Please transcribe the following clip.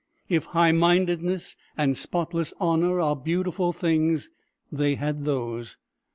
If high mindedness and spotless honor are beautiful things, they had those.